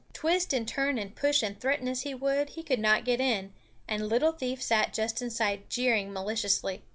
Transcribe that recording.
Twist and turn and push and threaten as he would, he could not get in; and Little Thief sat just inside jeering maliciously.